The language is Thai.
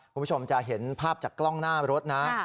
คุณผู้ชมจะเห็นภาพจากกล้องหน้ารถนะ